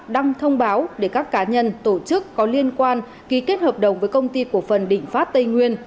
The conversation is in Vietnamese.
đang thông báo để các cá nhân tổ chức có liên quan ký kết hợp đồng với công ty cổ phần đình pháp tây nguyên